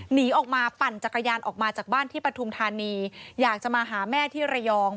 หนีออกมาปั่นจักรยานออกมาจากบ้านที่ปฐุมธานีอยากจะมาหาแม่ที่ระยอง